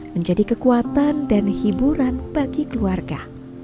menjadi kekuatan dan hiburan bagi keluarga